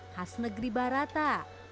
khas negeri barata